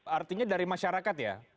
artinya dari masyarakat ya